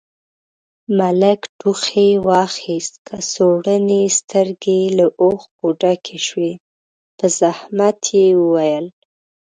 ملک ټوخي واخيست، کڅوړنې سترګې يې له اوښکو ډکې شوې، په زحمت يې وويل: